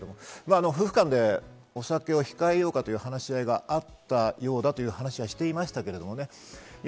夫婦間でお酒を控えようかという話し合いがあったようだという話はしていましたけどね。